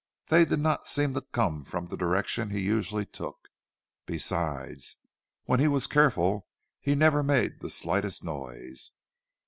They did not seem to come from the direction he usually took. Besides, when he was careful he never made the slightest noise.